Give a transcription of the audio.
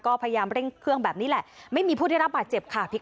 ก็พยายามเร่งเครื่องแบบนี้แหละไม่มีผู้ได้รับบาดเจ็บค่ะ